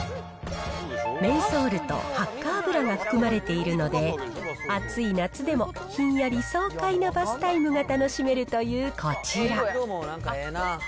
メンソールとハッカ油が含まれているので、暑い夏でもひんやり爽快なバスタイムが楽しめるというこちら。